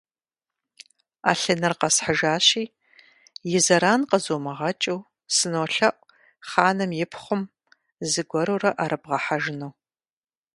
Ӏэлъыныр къэсхьыжащи, и зэран къызумыгъэкӀыу, сынолъэӀу, хъаным и пхъум зыгуэрурэ Ӏэрыбгъэхьэжыну.